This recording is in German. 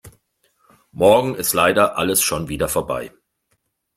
Morgen ist leider alles schon wieder vorbei.